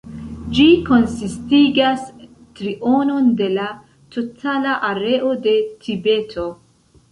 Ĝi konsistigas trionon de la totala areo de Tibeto.